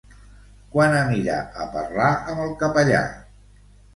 Quan anirà a parlar amb el capellà?